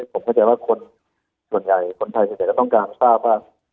ผมเข้าใจว่าคนส่วนใหญ่คนไทยส่วนใหญ่ก็ต้องการทราบว่า